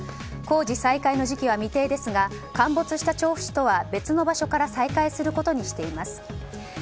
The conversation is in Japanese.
工事再開の時期は未定ですが陥没した調布市とは別の場所から再開することにしています。